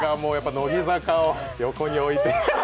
乃木坂を横に置いて